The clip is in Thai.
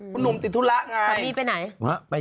คุณหนุ่มติดธุระไง